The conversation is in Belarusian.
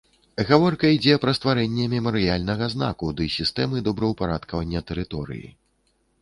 Гаворка ідзе пра стварэнне мемарыяльнага знаку ды сістэмы добраўпарадкавання тэрыторыі.